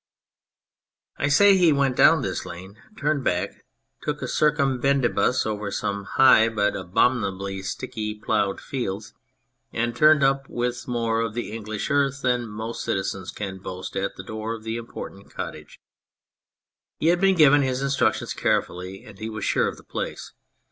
I say he went down this lane, turned back, took a circumbendibus over some high but abominably 104 The Canvasser sticky ploughed fields, and turned up with more of English earth than most citizens can boast at the door of the Important Cottage. He had been given his instructions carefully, and he was sure of the place.